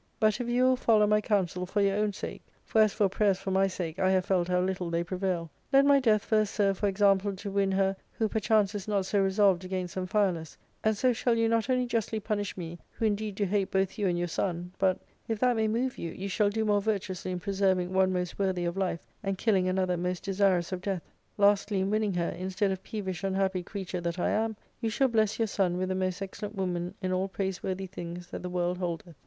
But, if you will follow my counsel, for your own sake — for as for prayers for my sake I have felt how little they prevail — let my death first serve for example to win her, who perchance is not so resolved against Amphialus, and so shall you not only justly punish me, who indeed do hate both you and your son, but, if that may move you, you shall do more virtuously in preserving one most worthy of life, and killing another most desirous of death ; lastly, in winning her, instead of peevish unhappy creature that I am, you shall bless your son with the most excellent woman in all praiseworthy things that the world holdeth."